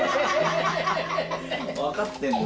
分かってんね。